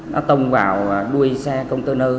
nó tông vào đuôi xe container